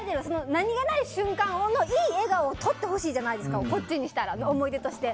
何気ない瞬間のいい笑顔を撮ってほしいじゃないですか思い出として。